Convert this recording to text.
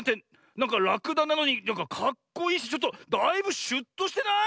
なんからくだなのになんかかっこいいしちょっとだいぶシュッとしてない？